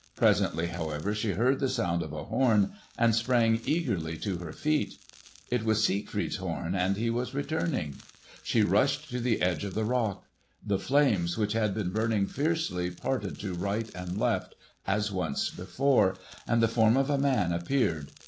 Presently, however, she heard the sound of a horn and sprang eagerly to her feet. It was Siegfried's horn and he was returning! She rushed to the edge of the rock. The flames which had been burning fiercely parted to right and left, as once before, and the form of a man appeared.